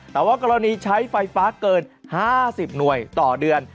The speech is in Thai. แต่ว่ากรณีใช้ไฟฟ้าเกิน๕๐หน่วยต่อเดือน